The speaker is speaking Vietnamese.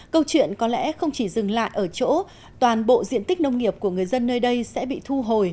câu chuyện có lẽ không chỉ dừng lại ở chỗ toàn bộ diện tích nông nghiệp của người dân nơi đây sẽ bị thu hồi